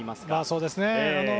そうですね。